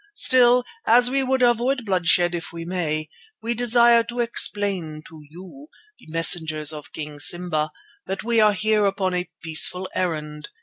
Still, as we would avoid bloodshed if we may, we desire to explain to you, messengers of King Simba, that we are here upon a peaceful errand.